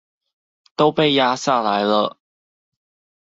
都被壓下來了